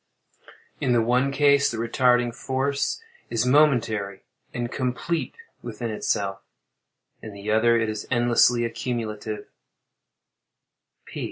In the one case, the retarding force is momentary and complete within itself—in the other it is endlessly accumulative.